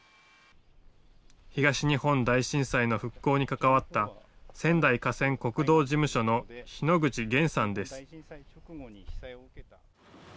東日本大震災の復興に関わった、仙台河川国道事務所の日野口厳さんです。